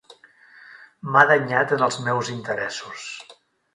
M'ha danyat en els meus interessos.